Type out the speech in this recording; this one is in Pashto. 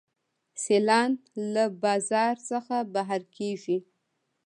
سیالان له بازار څخه بهر کیږي.